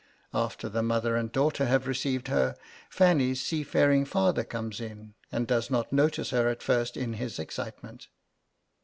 After the mother and daughter have received her, Fanny's seafaring father comes in, and does not notice her at first in his excitement.